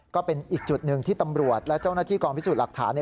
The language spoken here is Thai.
ก็เป็นอีกจุดหนึ่งที่ตำรวจและเจ้าหน้าที่กองพิสูจน์หลักฐาน